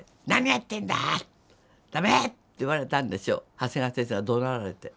長谷川先生がどなられて。